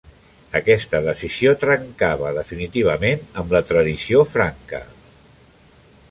Aquesta decisió trencava definitivament amb la tradició franca.